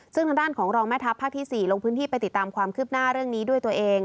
ซึ่งทางด้านของรองแม่ทัพภาคที่๔ลงพื้นที่ไปติดตามความคืบหน้าเรื่องนี้ด้วยตัวเอง